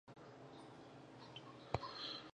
مېنه او محبت او همدا رنګه د کرکي، نیک مرغۍ او نا خوالۍ